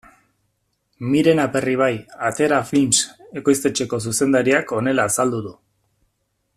Miren Aperribai Atera Films ekoiztetxeko zuzendariak honela azaldu du.